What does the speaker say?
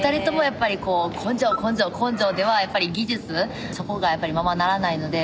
やっぱりこう根性根性根性ではやっぱり技術そこがままならないので。